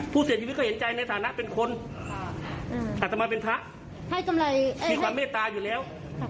ผู้เสียชีวิตก็เห็นใจในสถานะเป็นคนอาธรรมะเป็นพระมีความเมตตาอยู่แล้ว